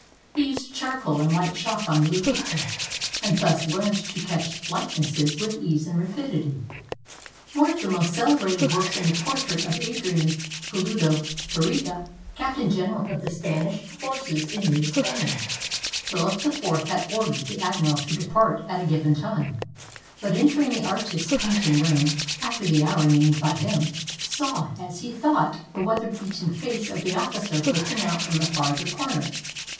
He used charcoal and white chalk on blue paper, and thus learned to catch likenesses with ease and rapidity. One of his most celebrated works is the portrait of Adrian Pulido Pariga, captain general of the Spanish forces in New Spain. Philip IV had ordered the admiral to depart at a given time; but, entering the artist's paint ing room after the hour named by him, saw, as he thought, the weather beaten face of the officer looking out from the farther corner.